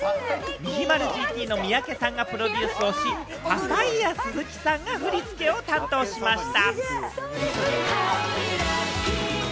ｍｉｈｉｍａｒｕＧＴのｍｉｙａｋｅさんがプロデュースをし、パパイヤ鈴木さんが振り付けを担当しました。